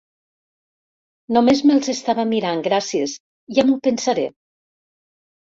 Només me'ls estava mirant, gràcies, ja m'ho pensaré.